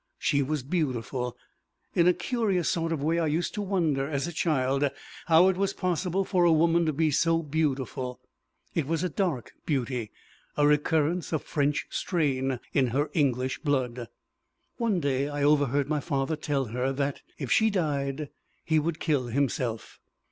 She was beautiful. In a curious sort of way I used to wonder, as a child, how it was possible for a woman to be so beautiful. It was a dark beauty a recurrence of French strain in her English blood. "One day I overheard my father tell her that, if she died, he would kill himself.